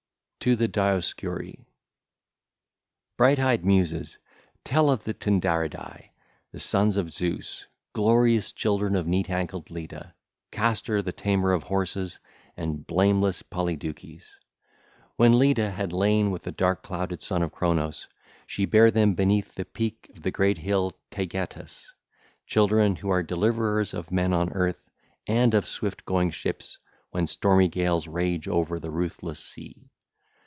XXXIII. TO THE DIOSCURI (ll. 1 17) Bright eyed Muses, tell of the Tyndaridae, the Sons of Zeus, glorious children of neat ankled Leda, Castor the tamer of horses, and blameless Polydeuces. When Leda had lain with the dark clouded Son of Cronos, she bare them beneath the peak of the great hill Taygetus,—children who are delivers of men on earth and of swift going ships when stormy gales rage over the ruthless sea.